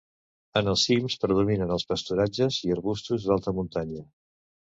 En els cims predominen els pasturatges i arbustos d'alta muntanya.